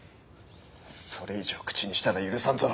それ以上口にしたら許さんぞ。